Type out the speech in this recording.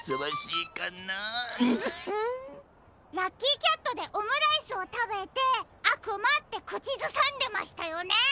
ラッキーキャットでオムライスをたべて「あくま」ってくちずさんでましたよね？